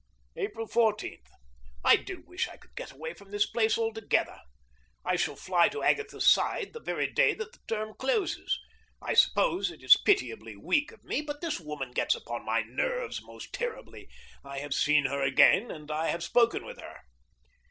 April 14. I do wish I could get away from the place altogether. I shall fly to Agatha's side the very day that the term closes. I suppose it is pitiably weak of me, but this woman gets upon my nerves most terribly. I have seen her again, and I have spoken with her.